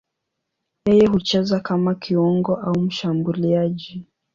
Yeye hucheza kama kiungo au mshambuliaji.